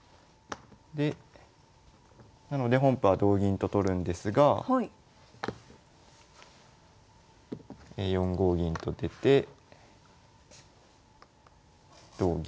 でなので本譜は同銀と取るんですが４五銀と出て同銀。